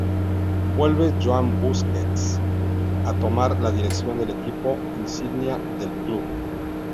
Vuelve Joan Busquets, a tomar la dirección del equipo insignia del Club.